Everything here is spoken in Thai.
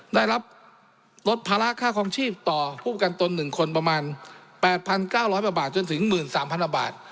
ได้รับลดภาระค่าคลองชีพต่อผู้ประกันตน๑คนประมาณ๘๙๐๐กว่าบาทจนถึง๑๓๐๐กว่าบาท